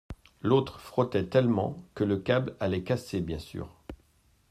L'autre frottait tellement, que le câble allait casser bien sûr.